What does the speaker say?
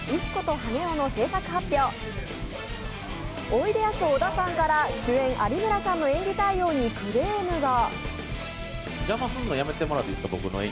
おいでやす小田さんから主演・有村さんの演技対応にクレームが。